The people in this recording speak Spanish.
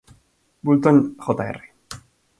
Boulton Jr.